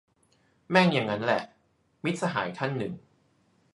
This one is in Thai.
แม่งยังงั้นแหละ - มิตรสหายท่านหนึ่ง